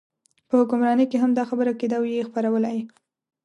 په حکمرانۍ کې هم دا خبره کېده او یې خپروله.